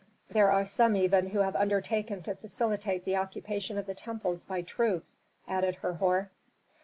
"There are some even who have undertaken to facilitate the occupation of the temples by troops," added Herhor.